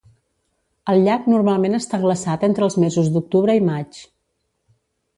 El llac normalment està glaçat entre els mesos d'octubre i maig.